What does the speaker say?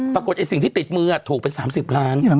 ปรากฏไอ้สิ่งที่ติดมือถูกเป็น๓๐ล้าน